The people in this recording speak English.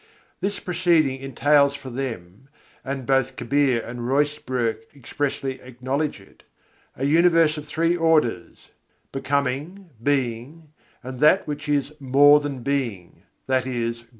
This proceeding entails for them and both Kabîr and Ruysbroeck expressly acknowledge it a universe of three orders: Becoming, Being, and that which is "More than Being," i.e.